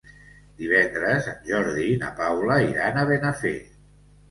Divendres en Jordi i na Paula iran a Benafer.